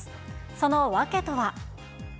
その訳とは。